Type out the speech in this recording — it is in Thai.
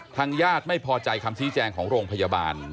ทางญาติไม่พอใจคำชี้แจงของโรงพยาบาล